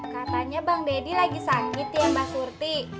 katanya bang deddy lagi sakit ya mbak surti